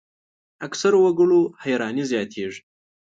اکثرو وګړو حیراني زیاتېږي.